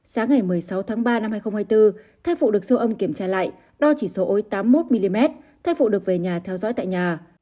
sáng ngày một mươi sáu tháng ba năm hai nghìn hai mươi bốn thai phụ được siêu âm kiểm tra lại đo chỉ số ối tám mươi một mm thai phụ được về nhà theo dõi tại nhà